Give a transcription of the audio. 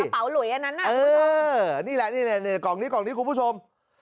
เป๋หลุยอันนั้นน่ะนี่แหละนี่กล่องนี้กล่องนี้คุณผู้ชม